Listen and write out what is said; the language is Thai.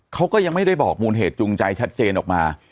เขาก็ยังไม่ได้บอกมูลเหตุจูงใจชัดเจนออกมา